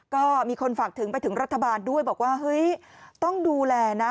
ก็มีคนฝากถึงไปถึงรัฐบาลด้วยบอกว่าเฮ้ยต้องดูแลนะ